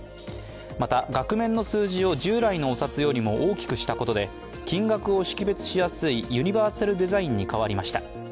また、額面の数字を従来のお札よりも大きくしたことで金額を識別しやすいユニバーサルデザインに変わりました。